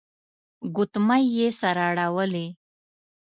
ګوتمۍ يې سره اړولې.